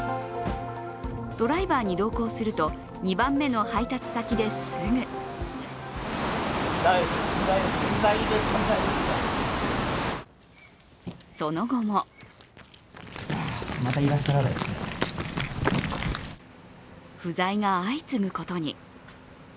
ドライバーに同行すると２番目の配達先で、すぐその後も不在が相次ぐことに。